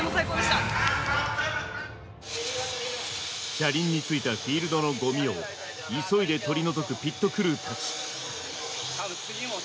車輪に付いたフィールドのゴミを急いで取り除くピットクルーたち。